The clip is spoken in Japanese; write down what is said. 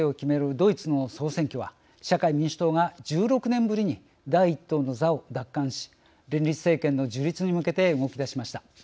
ドイツの総選挙は社会民主党が１６年ぶりに第１党の座を奪還し連立政権の樹立に向けて動き出しました。